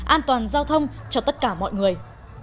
an toàn giao thông cho tất cả mọi người